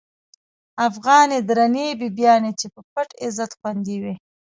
افغانی درنی بیبیانی، چی په پت عزت خوندی وی